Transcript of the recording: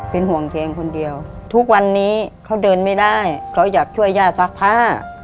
เป็นห่วงเพียงคนเดียวทุกวันนี้เขาเดินไม่ได้เขาอยากช่วยย่าซักผ้า